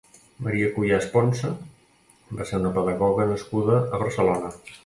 Maria Cuyàs Ponsa va ser una pedagoga nascuda a Barcelona.